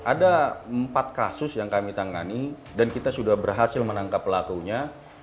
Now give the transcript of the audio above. ada empat kasus yang kami tangani dan kita sudah berhasil menangkap pelakunya